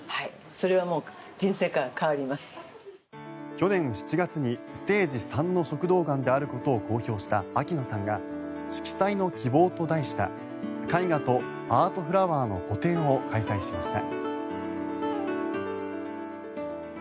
去年７月にステージ３の食道がんであることを公表した秋野さんが「色彩の希望」と題した絵画とアートフラワーの個展を開催しました。